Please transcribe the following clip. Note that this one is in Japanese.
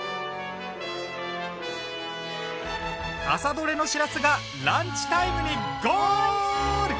朝取れのしらすがランチタイムにゴール！